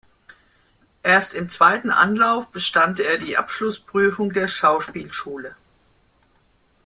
Erst im zweiten Anlauf bestand er die Abschlussprüfung der Schauspielschule.